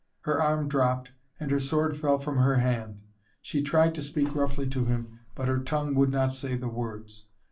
Her arm dropped, and her sword fell from her hand. She tried to speak roughly to him, but her tongue would not say the words.